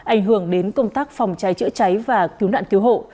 ảnh hưởng đến công tác phòng cháy chữa cháy và cứu nạn cứu hộ